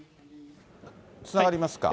つながりますか？